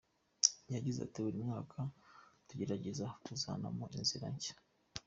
Yagize ati "Buri mwaka tugerageza kuzanamo inzira nshya.